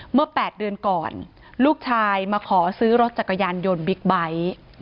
เมื่อ๘เดือนก่อนลูกชายมาขอซื้อรถจักรยานยนต์บิ๊กไบท์